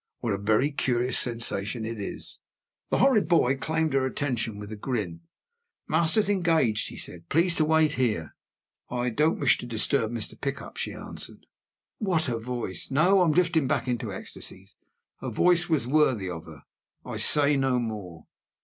What a very curious sensation it is! The horrid boy claimed her attention with a grin. "Master's engaged," he said. "Please to wait here." "I don't wish to disturb Mr. Pickup," she answered. What a voice! No! I am drifting back into ecstasies: her voice was worthy of her I say no more.